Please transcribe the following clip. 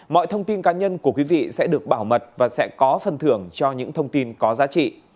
mọi thông tin cá nhân của quý vị sẽ được bảo mật và sẽ có phần thưởng cho những thông tin có giá trị